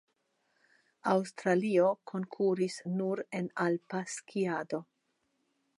Aŭstralio konkuris nur en Alpa skiado.